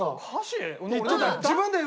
自分で。